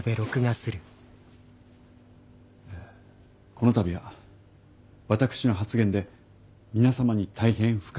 この度は私の発言で皆様に大変不快な思いを。